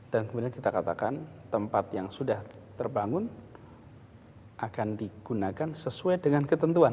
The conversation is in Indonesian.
dan kemudian kita katakan tempat yang sudah terbangun akan digunakan sesuai dengan ketentuan